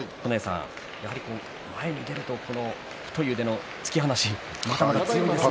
やはり前に出ると太い腕の突き放し、強いですね。